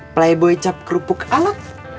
playboy cap kerupuk alat